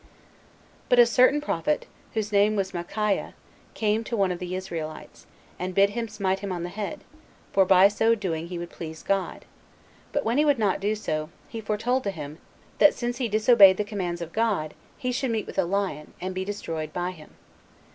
5. But a certain prophet, whose name was Micaiah, 40 came to one of the Israelites, and bid him smite him on the head, for by so doing he would please God; but when he would not do so, he foretold to him, that since he disobeyed the commands of God, he should meet with a lion, and be destroyed by him.